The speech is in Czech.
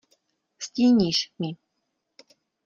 Stíníš mi.